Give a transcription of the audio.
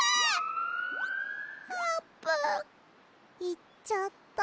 いっちゃった。